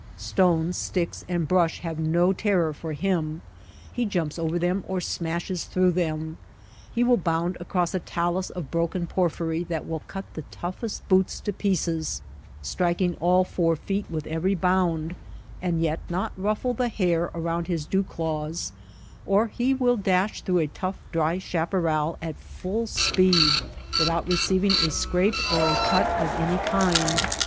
Stones, sticks, and brush have no terror for him. He jumps over them or smashes through them. He will bound across a talus of broken porphyry that will cut the toughest boots to pieces, striking all four feet with every bound, and yet not ruffle the hair around his dew claws ; or he will dash through a tough dry chaparral at full speed without receiving a scrape or a cut of any kind.